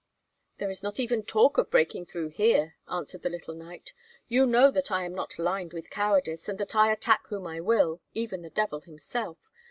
"There is not even talk of breaking through here," answered the little knight. "You know that I am not lined with cowardice, and that I attack whom I will, even the devil himself.